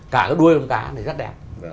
cả cái đuôi con cá này rất đẹp